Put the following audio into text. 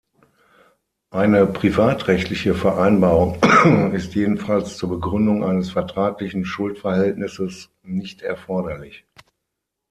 Eine privatrechtliche Vereinbarung ist jedenfalls zur Begründung eines vertraglichen Schuldverhältnisses nicht erforderlich.